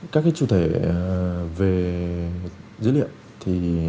các chủ thể về dữ liệu thì